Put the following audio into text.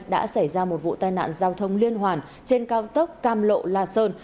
đã xảy ra một vụ tai nạn giao thông liên hoàn trên cao tốc cam lộ la sơn